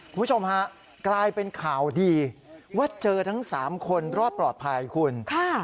คุณผู้ชมฮะกลายเป็นข่าวดีว่าเจอทั้งสามคนรอดปลอดภัยคุณค่ะ